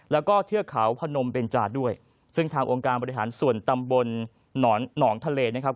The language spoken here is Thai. แล้วก็เทือกเขาพนมเบนจาด้วยซึ่งทางองค์การบริหารส่วนตำบลหนองทะเลนะครับ